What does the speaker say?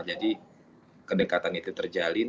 jadi kedekatan itu terjalin